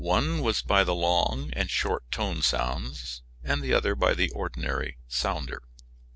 One was by the long and short tone sounds and the other by the ordinary sounder.